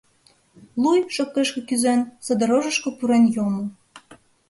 Луй, шопкешке кӱзен, саде рожышко пурен йомо.